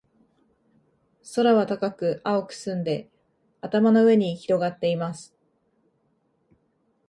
空は高く、青く澄んで、頭の上に広がっています。